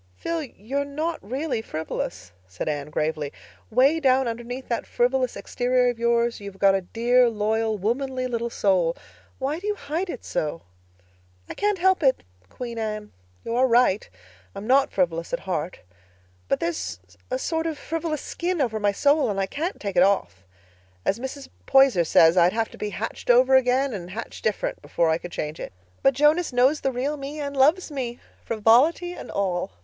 "Phil, you're not really frivolous," said Anne gravely. "'Way down underneath that frivolous exterior of yours you've got a dear, loyal, womanly little soul. Why do you hide it so?" "I can't help it, Queen Anne. You are right—I'm not frivolous at heart. But there's a sort of frivolous skin over my soul and I can't take it off. As Mrs. Poyser says, I'd have to be hatched over again and hatched different before I could change it. But Jonas knows the real me and loves me, frivolity and all.